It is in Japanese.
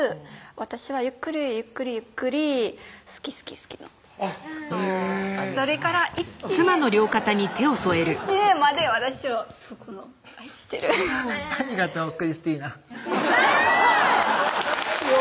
私はゆっくりゆっくりゆっくり好き好き好きのへぇそれから１年１年まで私を愛してるありがとうクリスティナいや！